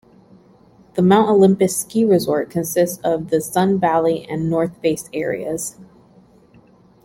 The Mount Olympus Ski resort consists of the Sun Valley and North Face areas.